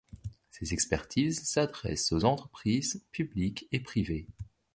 Ses expertises s'adressent aux entreprises publiques et privées.